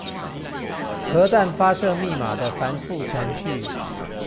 核彈發射密碼的繁複程序